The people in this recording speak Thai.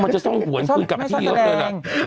มันจะท่องหวนคืนกับที่เยอะเกิน